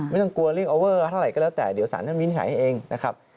ไม่ต้องกลัวเรียกอัลเวอร์หรืออะไรก็แล้วแต่เดี๋ยวสารท่านวินไฟให้เองนะครับ